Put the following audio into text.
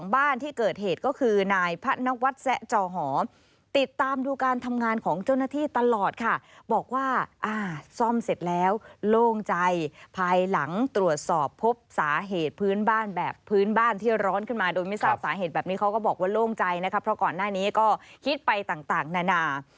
บอกว่าอ่าซ่อมเสร็จแล้วโล่งใจภายหลังตรวจสอบพบสาเหตุพื้นบ้านแบบพื้นบ้านที่ร้อนขึ้นมาโดยไม่ทราบสาเหตุแบบนี้เขาก็บอกว่าโล่งใจนะครับเพราะก่อนหน้านี้ก็คิดไปต่างนานา